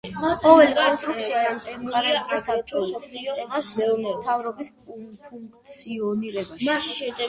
ყოველი კონსტიტუცია ემყარებოდა საბჭოების სისტემას მთავრობის ფუნქციონირებაში.